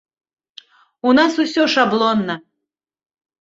У нас усё шаблонна.